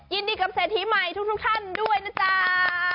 ยินดีกับเศรษฐีใหม่ทุกท่านด้วยนะจ๊ะ